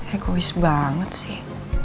egois banget sih